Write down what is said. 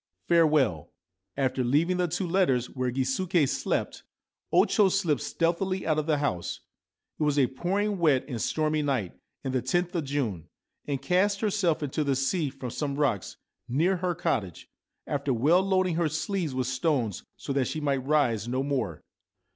Farewell !' After leaving the two letters where Gisuke slept, O Cho slipped stealthily out of the house (it was a pouring wet and stormy night and the loth of June), and cast herself into the sea from some rocks near her cottage, after well loading her sleeves with stones, so that she might rise no more.